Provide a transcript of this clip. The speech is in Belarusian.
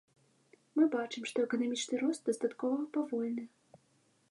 Мы бачым, што эканамічны рост дастаткова павольны.